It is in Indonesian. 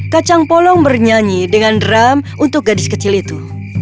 kacang polong bernyanyi dengan drum untuk gadis kecil itu